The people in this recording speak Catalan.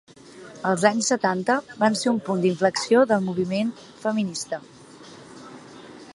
Els anys setanta van ser un punt d’inflexió del moviment feminista.